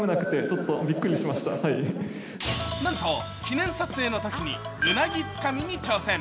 なんと記念撮影のときにうなぎつかみに挑戦。